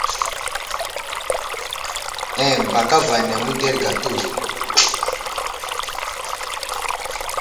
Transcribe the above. Eŋ ba kava ane aməwuderge atu.